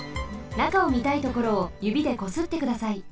中をみたいところをゆびでこすってください。